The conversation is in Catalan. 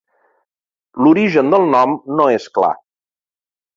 L'origen del nom no és clar.